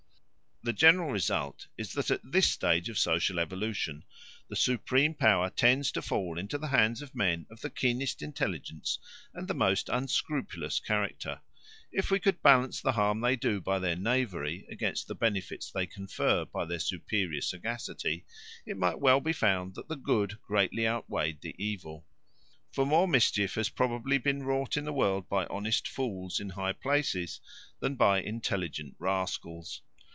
The general result is that at this stage of social evolution the supreme power tends to fall into the hands of men of the keenest intelligence and the most unscrupulous character. If we could balance the harm they do by their knavery against the benefits they confer by their superior sagacity, it might well be found that the good greatly outweighed the evil. For more mischief has probably been wrought in the world by honest fools in high places than by intelligent rascals.